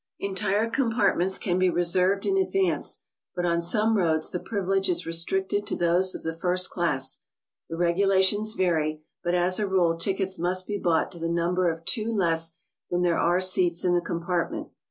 Entire compartments can be reserved in advance, but on some roads the privilege is restricted to those of the first class. The regulations vary, but as a rule tickets must be bought to the num/ber of two less than there are seats in the compartment.